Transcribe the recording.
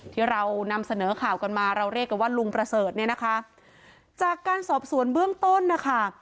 ที่เรานำเสนอข่าวกันมาเราเรียกกันว่าลุงประเสริฐเนี่ยนะคะจากการสอบสวนเบื้องต้นนะคะ